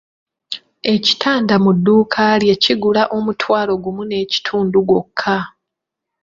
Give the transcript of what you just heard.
Ekitanda mu dduuka lye kigula omutwalo gumu n'ekitundu gwokka.